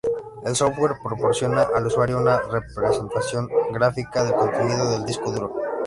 El software proporciona al usuario una representación gráfica del contenido del disco duro.